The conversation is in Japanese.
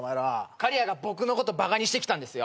仮屋が僕のことバカにしてきたんですよ。